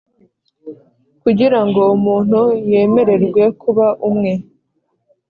Kugira ngo umuntu yemererwe kuba umwe